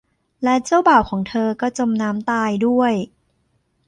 และเจ้าบ่าวของเธอก็จมน้ำตายด้วย